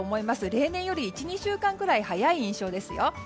例年より１２週間ぐらい早い印象ですよ。